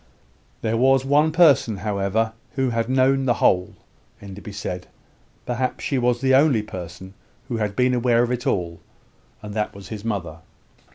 There was one person, however, who had known the whole, Enderby said; perhaps she was the only person who had been aware of it all: and that was his mother.